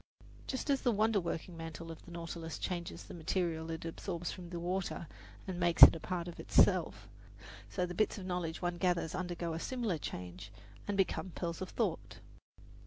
Just as the wonder working mantle of the Nautilus changes the material it absorbs from the water and makes it a part of itself, so the bits of knowledge one gathers undergo a similar change and become pearls of thought.